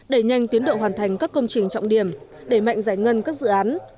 đẩy nhanh tiến độ hoàn thành các công trình trọng điểm để mạnh giải ngân các dự án